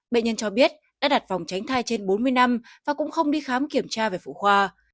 bệnh nhân cho biết đã đặt vòng tránh thai trên bốn mươi năm và cũng không đi khám kiểm tra về phụ khoa